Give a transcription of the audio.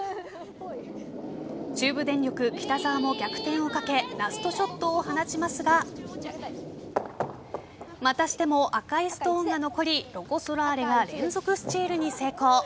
中部電力・北澤も逆転をかけラストショットを放ちますがまたしても赤いストーンが残りロコ・ソラーレが連続スチールに成功。